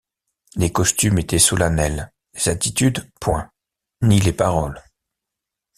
Les costumes étaient solennels, les attitudes point ; ni les paroles.